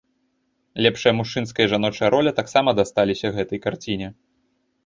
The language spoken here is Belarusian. Лепшая мужчынская і жаночая роля таксама дасталіся гэтай карціне.